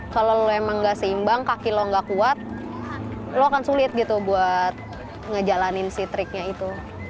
kalau lo emang gak seimbang kaki lo gak kuat lo akan sulit gitu buat ngejalanin si triknya itu